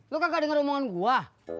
lo kagak denger omongan gue